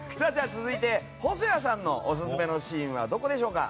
続いて細谷さんのオススメのシーンはどこでしょうか？